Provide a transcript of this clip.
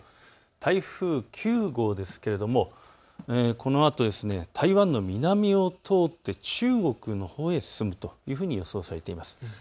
台風９号ですけれどもこのあと台湾の南を通って中国のほうへ進むというふうに予想されています。